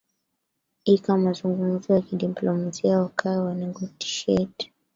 ika mazungumuzo yakidiplomasia wakae wa negotiate